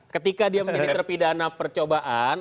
ketika dia menjadi terpidana percobaan